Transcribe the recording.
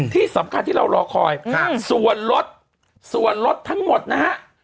ที่สำคัญที่เรารอคอยส่วนรถส่วนรถทั้งหมดนะฮะ